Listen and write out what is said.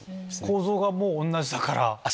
構造が同じだから。